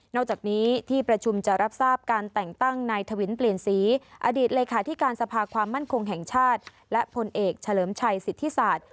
จากนี้ที่ประชุมจะรับทราบการแต่งตั้งนายถวินเปลี่ยนสีอดีตเลขาธิการสภาความมั่นคงแห่งชาติและพลเอกเฉลิมชัยสิทธิศาสตร์